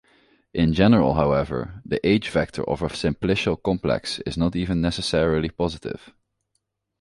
In general, however, the "h"-vector of a simplicial complex is not even necessarily positive.